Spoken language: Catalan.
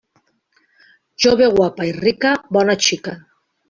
Jove guapa i rica, bona xica.